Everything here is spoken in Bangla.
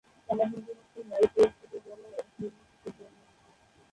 তারা হিন্দু-মুসলিম, নারী-পুরুষ ও বড়-ছোট-নির্বিশেষে ধরে নিয়ে যেত।